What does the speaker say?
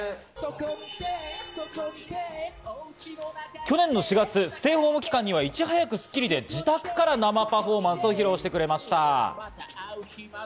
去年の４月、ステイホーム期間には、いち早く自宅から生パフォーマンスを披露してくれました。